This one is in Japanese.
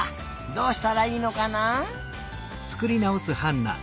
どうしたらいいのかな？